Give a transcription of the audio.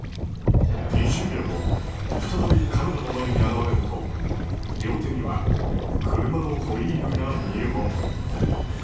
２０秒後再びカメラの前に現れると両手には車のホイールが２本。